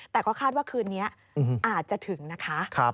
แต่ก็คาดว่าคืนนี้อาจจะถึงนะคะ